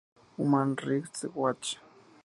Human Rights Watch.